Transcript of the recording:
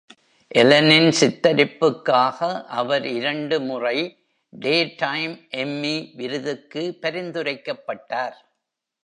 எலெனியின் சித்தரிப்புக்காக அவர் இரண்டு முறை டேடைம் எம்மி விருதுக்கு பரிந்துரைக்கப்பட்டார்.